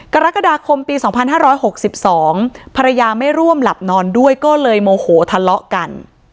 กรกฎาคมปี๒๕๖๒ภรรยาไม่ร่วมหลับนอนด้วยก็เลยโมโหทะเลาะกัน